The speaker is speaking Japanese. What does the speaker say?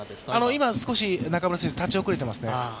今、少し中村選手、立ち遅れていますね。